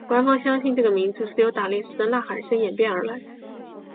官方相信这个名字是由打猎时的呐喊声演变而来。